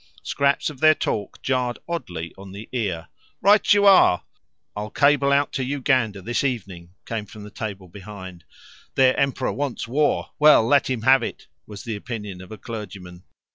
Scraps of their talk jarred oddly on the ear. "Right you are! I'll cable out to Uganda this evening," came from the table behind. "Their Emperor wants war; well, let him have it," was the opinion of a clergyman.